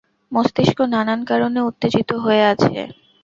মস্তিষ্ক নানান কারণে উত্তেজিত হয়ে আছে।